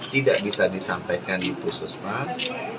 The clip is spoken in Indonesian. tidak bisa disampaikan di khusus bukas